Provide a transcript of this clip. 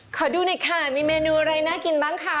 ขอดูหน่อยค่ะมีเมนูอะไรน่ากินบ้างคะ